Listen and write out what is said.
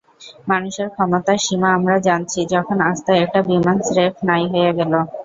মানুষের ক্ষমতার সীমা আমরা জানছি, যখন আস্ত একটা বিমান স্রেফ নাই হয়ে গেল।